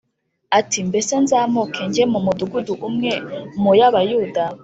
ati “Mbese nzamuke njye mu mudugudu umwe mu y’Abayuda?”